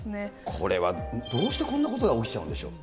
これはどうしてこんなことが起きちゃうんでしょう？